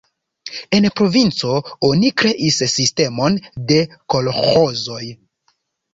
En provinco oni kreis sistemon de kolĥozoj.